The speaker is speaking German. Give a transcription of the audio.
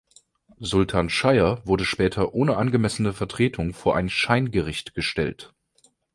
Sultan Shire wurde später ohne angemessene Vertretung vor ein Scheingericht gestellt.